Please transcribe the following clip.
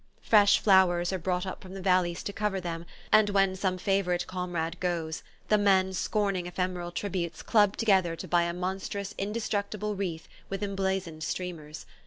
Fresh flowers are brought up from the valleys to cover them, and when some favourite comrade goes, the men scorning ephemeral tributes, club together to buy a monstrous indestructible wreath with emblazoned streamers.